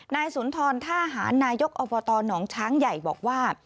นายสุนทรท่าหารนายกอบตหนองช้างใหญ่บอกว่า